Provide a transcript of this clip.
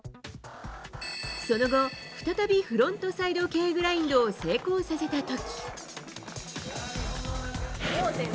その後、再びフロントサイドＫグラインドを成功させた時。